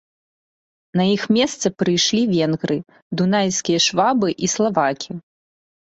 На іх месца прыйшлі венгры, дунайскія швабы і славакі.